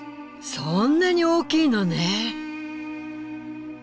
そんなに大きいのね。